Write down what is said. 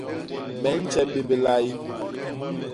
Me nje bé bilay.